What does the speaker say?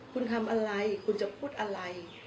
คุณทำอะไรคุณจะพูดอะไร